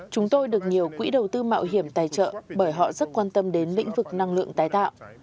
chúng tôi được nhiều quỹ đầu tư mạo hiểm tài trợ bởi họ rất quan tâm đến lĩnh vực năng lượng tái tạo